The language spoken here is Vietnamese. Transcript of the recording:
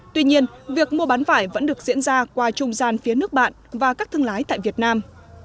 tuy nhiên việc mua bán vải vẫn được diễn ra qua trung gian phía nước bạn và các thương lái tại việt nam